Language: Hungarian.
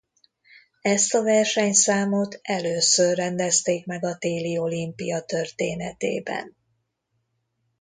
Ezt a versenyszámot először rendezték meg a téli olimpia történetében.